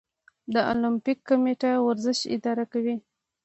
د المپیک کمیټه ورزش اداره کوي